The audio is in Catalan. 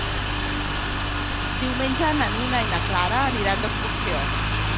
Diumenge na Nina i na Clara aniran d'excursió.